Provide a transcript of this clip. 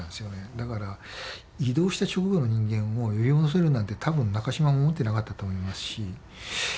だから異動した直後の人間を呼び戻せるなんて多分中島も思ってなかったと思いますしそこで念を押してですね